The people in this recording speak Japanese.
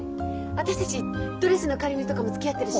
私たちドレスの仮縫いとかもつきあってるし。